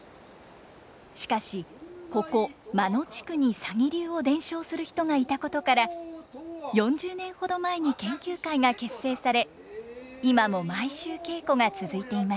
しかしここ真野地区に鷺流を伝承する人がいたことから４０年ほど前に研究会が結成され今も毎週稽古が続いています。